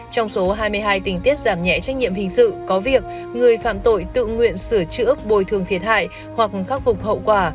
trong số hai mươi hai tình tiết giảm nhẹ trách nhiệm hình sự có việc người phạm tội tự nguyện sửa chữa bồi thường thiệt hại hoặc khắc phục hậu quả